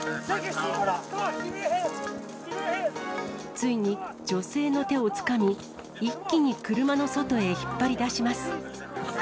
ついに女性の手をつかみ、一気に車の外へ引っ張り出します。